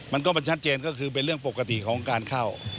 มันก็มันชัดเจนก็คือเป็นเรื่องปกติของการเข้า